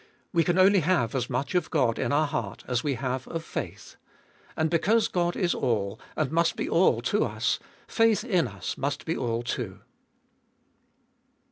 We can only have as much of God in our heart as we have of faith. And because God is All, and must be All to us, faith in us must be all too.